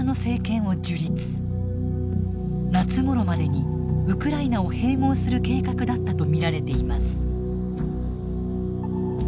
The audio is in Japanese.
夏ごろまでにウクライナを併合する計画だったと見られています。